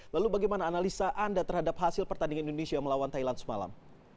lalu bagaimana analisa anda terhadap hasil pertandingan indonesia melawan thailand semalam